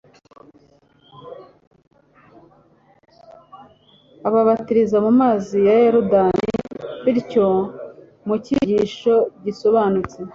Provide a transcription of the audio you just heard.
ababatiriza mu mazi ya Yorodani. Bityo mu cyigisho gisobanutse,